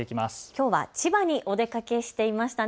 きょうは千葉にお出かけしていましたね。